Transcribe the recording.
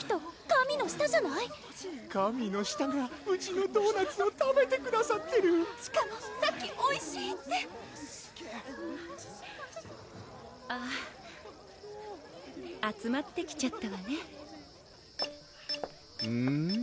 神の舌がうちのドーナツを食べてくださってるしかもさっき「おいしい」ってあぁ集まってきちゃったわねうん？